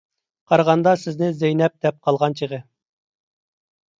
قارىغاندا سىزنى زەينەپ دەپ قالغان چېغى.